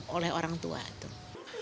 oleh orang tua itu